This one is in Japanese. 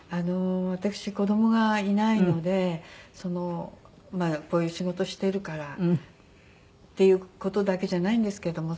私子供がいないのでこういう仕事しているからっていう事だけじゃないんですけども。